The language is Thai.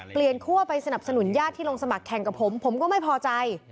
คั่วไปสนับสนุนญาติที่ลงสมัครแข่งกับผมผมก็ไม่พอใจ